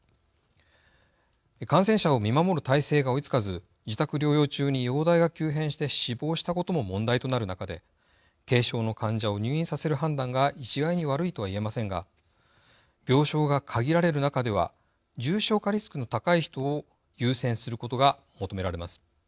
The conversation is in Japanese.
感染者を見守る体制が追いつかず自宅療養中に容体が急変して死亡したことも問題となる中で軽症の患者を入院させる判断が一概に悪いとは言えませんが病床が限られる中では重症化リスクの高い人を優先することが求められます。